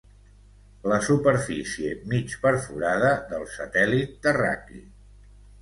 La superfície mig perforada del satèl·lit terraqüi.